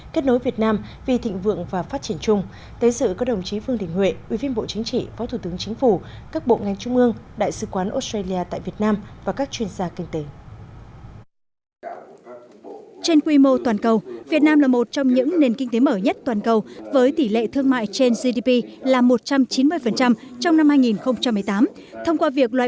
kết nối việt nam vì thịnh vượng và phát triển chung tới dự các đồng chí phương đình huệ ubnd phó thủ tướng chính phủ các bộ ngành trung ương đại sứ quán australia tại việt nam và các chuyên gia kinh tế